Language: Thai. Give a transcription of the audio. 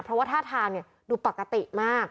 เพราะว่าท่าทางดูปกติมาก